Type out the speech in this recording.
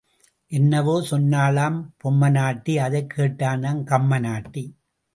என்னவோ சொன்னாளாம் பொம்மனாட்டி அதைக் கேட்டானாம் கம்மனாட்டி.